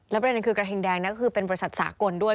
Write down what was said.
ประเด็นคือกระทิงแดงก็คือเป็นบริษัทสากลด้วย